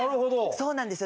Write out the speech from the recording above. そうなんですよ。